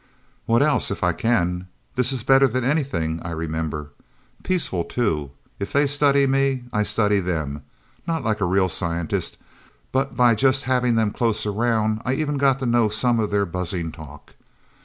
"What else if I can? This is better than anything I remember. Peaceful, too. If they study me, I study them not like a real scientist but by just having them close around. I even got to know some of their buzzing talk.